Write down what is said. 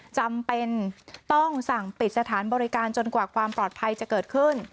จำเป็นต้องสั่งปิดสถานบริการจนกว่าความปลอดภัยจะเกิดขึ้น